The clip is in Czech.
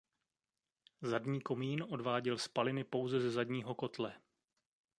Zadní komín odváděl spaliny pouze ze zadního kotle.